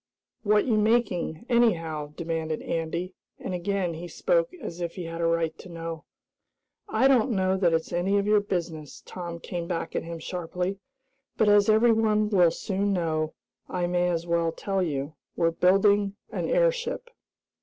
What you making, anyhow?" demanded Andy, and again he spoke as if he had a right to know. "I don't know that it's any of your business," Tom came back at him sharply, "but, as everyone will soon know, I may as well tell you. We're building an airship."